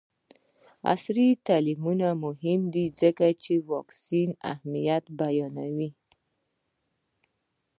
عصري تعلیم مهم دی ځکه چې د واکسین اهمیت بیانوي.